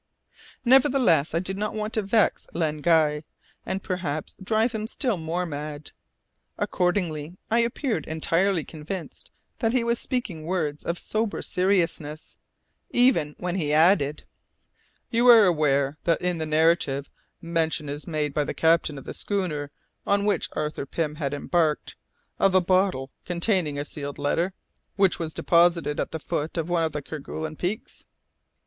Nevertheless I did not want to vex Len Guy, and perhaps drive him still more mad. Accordingly I appeared entirely convinced that he was speaking words of sober seriousness, even when he added, "You are aware that in the narrative mention is made by the captain of the schooner on which Arthur Pym had embarked, of a bottle containing a sealed letter, which was deposited at the foot of one of the Kerguelen peaks?"